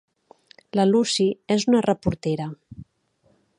La Lucy és una reportera.